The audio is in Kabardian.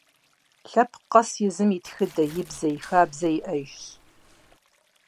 Лъэпкъ къээс езым и тхыдэ, и бзэ, и хабзэ иӏэжщ.